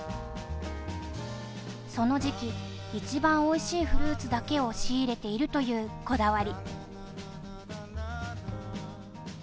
その時期一番おいしいフルーツだけを仕入れているというこだわり。